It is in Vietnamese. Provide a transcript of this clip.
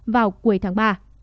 vào cuối tháng ba